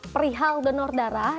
perihal donor darah